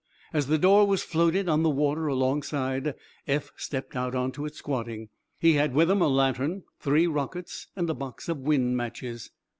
As the door was floated on the water alongside, Eph stepped out onto it, squatting. He had with him a lantern, three rockets and a box of wind matches.